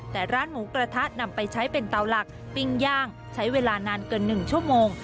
แต่ร้านหมูกระทะนำไปใช้เป็นเตาหลักปิ้งย่างใช้เวลานานเกิน๑ชั่วโมง